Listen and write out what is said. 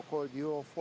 yang disebut euro empat